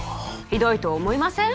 ひどいと思いません？